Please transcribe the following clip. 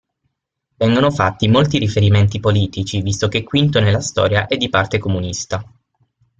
Vengono fatti molti riferimenti politici visto che Quinto nella storia è di parte comunista.